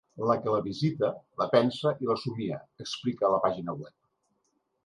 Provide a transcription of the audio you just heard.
La que la visita, la pensa i la somia, explica a la pàgina web.